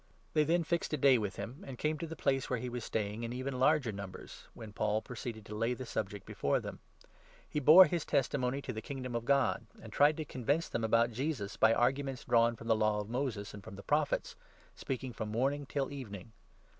They then fixed a day with him, and came to the place 23 where he was staying, in even larger numbers, when Paul proceeded to lay the subject before them. He bore his testi mony to the Kingdom of God, and tried to convince them about Jesus, by arguments drawn from the Law of Moses and from the Prophets — speaking from morning till even ing.